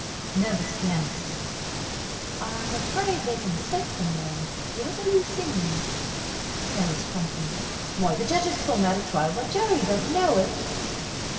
NERVOUS PIANIST: "I'm afraid there's a mistake somewhere. What are you singing?" HARRIS (promptly): "Why the Judge's song out of Trial by Jury. Don't you know it?"